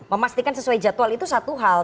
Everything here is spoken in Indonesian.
memastikan sesuai jadwal itu satu hal